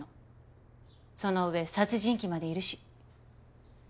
その上殺人鬼までいるし。